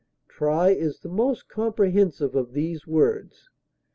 Try is the most comprehensive of these words.